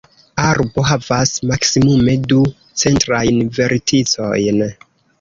Arbo havas maksimume du centrajn verticojn.